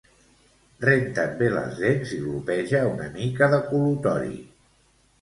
Renta't bé les dents i glopeja una mica de col·lutori